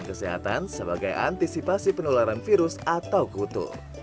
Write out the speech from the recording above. kesehatan sebagai antisipasi penularan virus atau kutu